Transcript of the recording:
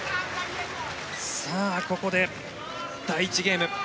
ここで第１ゲーム